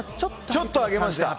ちょっと上げました。